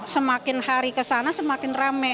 semakin hari ke sana semakin rame